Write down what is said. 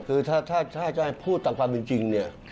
คือถ้าให้พูดตามความจริงนี่ค่ะ